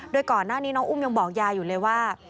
โดยก่อนหน้านี้น้องอุ้มยังบอกยายอยู่เลยว่า